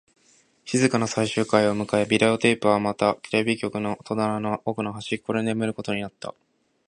静かな最終回を迎え、ビデオテープはまたテレビ局の戸棚の奥の隅っこで眠ることになった